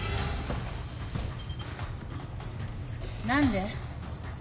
何で？